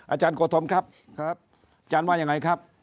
อาจารย์โกธมครับจานว่ายังไงครับ